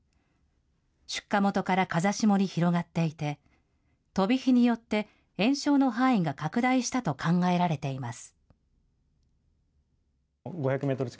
出火元から風下に広がっていて、飛び火によって延焼の範囲が拡大したと考えられています。